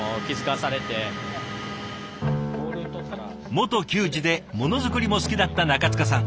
元球児でものづくりも好きだった中塚さん。